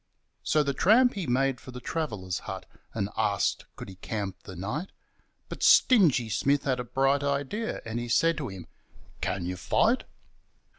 So the tramp he made for the travellers' hut, and asked could he camp the night; But Stingy Smith had a bright idea, and he said to him, 'Can you fight?'